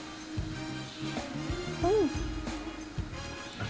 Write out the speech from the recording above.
うん。